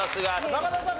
中田さん